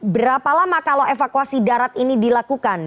berapa lama kalau evakuasi darat ini dilakukan